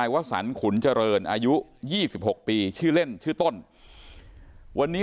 ไว้สัญขุนเจรินอายุยี่สิบหกปีชื่อเล่นชื่อต้นวันนี้